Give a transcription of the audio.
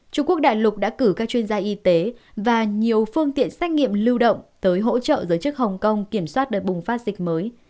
trung quốc đại lục đã cử các chuyên gia y tế và nhiều phương tiện xét nghiệm lưu động tới hỗ trợ giới chức hồng kông kiểm soát đợt bùng phát dịch mới